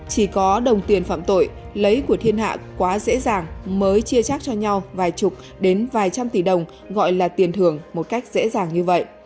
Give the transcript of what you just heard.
chỉ có đồng tiền phạm tội lấy của thiên hạ quá dễ dàng mới chia trác cho nhau vài chục đến vài trăm tỷ đồng gọi là tiền thưởng một cách dễ dàng như vậy